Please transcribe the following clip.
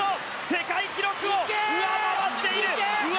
世界記録を上回っている！